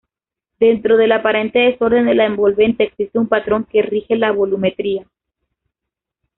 Dentro del aparente desorden de la envolvente, existe un patrón que rige la volumetría.